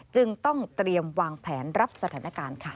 จึงต้องเตรียมวางแผนรับสถานการณ์ค่ะ